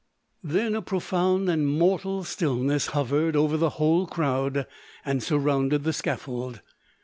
Then a profound and mortal stillness hovered over the whole crowd and surrounded the scaffold.